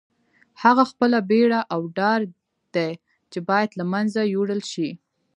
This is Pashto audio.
هغه خپله بېره او ډار دی چې باید له منځه یوړل شي.